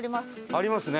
ありますね。